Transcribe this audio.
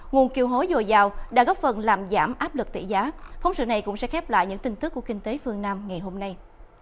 nguồn kiều hối dồi dào đã góp phần làm giảm áp lực tỷ giá phóng sự này cũng sẽ khép lại những tin tức của kinh tế phương nam ngày hôm nay